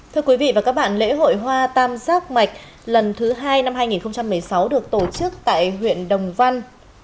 thưa quý vị và các bạn lễ hội hoa tam giác mạch lần thứ hai năm hai nghìn một mươi sáu được tổ chức tại huyện đồng văn